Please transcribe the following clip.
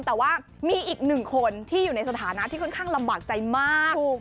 แต่ว่ามีอีกหนึ่งคนที่อยู่ในสถานะที่ค่อนข้างลำบากใจมาก